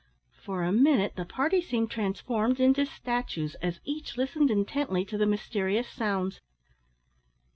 For a minute the party seemed transformed into statues, as each listened intently to the mysterious sounds.